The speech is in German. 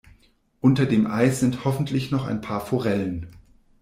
Unter dem Eis sind hoffentlich noch ein paar Forellen.